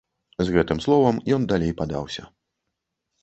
З гэтым словам ён далей падаўся.